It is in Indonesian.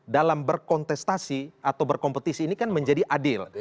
dalam berkontestasi atau berkompetisi ini kan menjadi adil